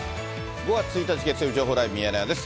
５月１日月曜日、情報ライブミヤネ屋です。